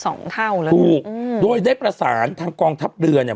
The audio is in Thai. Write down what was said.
สองเท่าเลยถูกอืมโดยได้ประสานทางกองทัพเรือเนี่ย